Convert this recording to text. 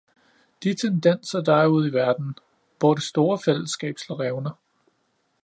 De tendenser, der er ude i verden – hvor det store fællesskab slår revner.